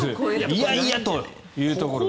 いやいやというところで。